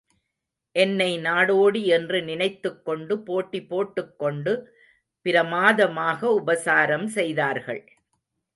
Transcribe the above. என்னை நாடோடி என்று நினைத்துக் கொண்டு போட்டி போட்டுக் கொண்டு பிரமாதமாக உபசாரம் செய்தார்கள்.